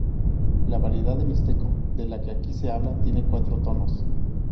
La variedad de mixteco de la que aquí se habla tiene cuatro tonos.